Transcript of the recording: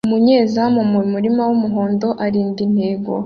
Umunyezamu mumurima wumuhondo arinda intego